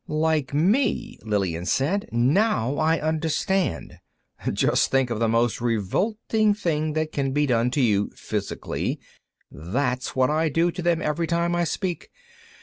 "Like me," Lillian said. "Now I understand. Just think of the most revolting thing that could be done to you physically; that's what I do to them every time I speak.